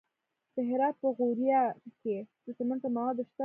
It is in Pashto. د هرات په غوریان کې د سمنټو مواد شته.